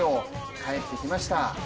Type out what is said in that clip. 帰ってきました。